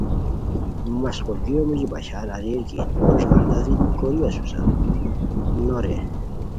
مشقولگیو موژی بشار اریر کی تو اݱغالداری کوری اسو سہ نو رے